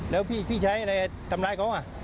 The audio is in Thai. แล้วนี่จะไปไหนเนี่ย